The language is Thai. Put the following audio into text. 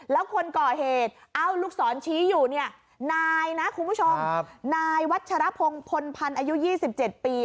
แล้วคนก่อเหตุเอ้าลูกศรชี้อยู่เนี่ยนายนะคุณผู้ชมนายวัชรพงศ์พลพันธ์อายุ๒๗ปี